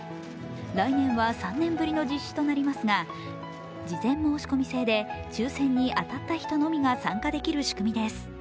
来年は３年ぶりの実施となりますが事前申込制で抽選に当たった人のみが参加できる仕組みです。